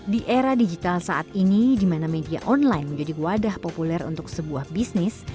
di era digital saat ini di mana media online menjadi wadah populer untuk sebuah bisnis